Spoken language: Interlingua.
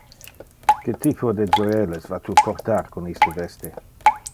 Que typo de joieles va tu portar con iste veste?